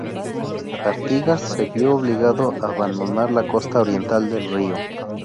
Artigas se vio obligado a abandonar la costa oriental del río.